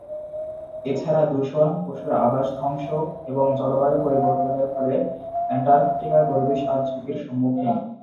এছাড়া দূষণ, পশুর আবাস ধ্বংস এবং জলবায়ু পরিবর্তনের ফলে অ্যান্টার্কটিকার পরিবেশ আজ ঝুঁকির সম্মুখীন।